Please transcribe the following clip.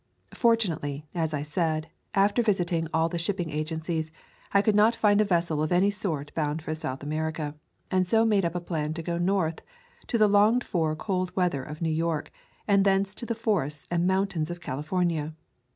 Fortunately, as I said, after visiting all the shipping agencies, I could not find a vessel of any sort bound for South America, and so made up a plan to go North, to the longed for cold weather of New York, and thence to the forests and mountains of California.